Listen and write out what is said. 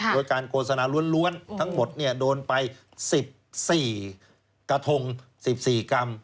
โดยการโฆษณาล้วนทั้งหมดโดนไป๑๔กระทง๑๔กรัม